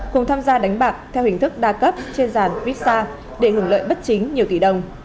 cùng tham gia đánh bạc theo hình thức đa cấp trên giàn witsa để hưởng lợi bất chính nhiều tỷ đồng